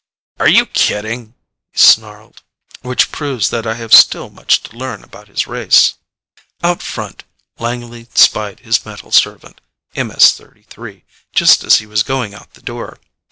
"Are you kidding?" he snarled. Which proves that I have still much to learn about his race. Out front, Langley spied his metal servant, MS 33, just as he was going out the door.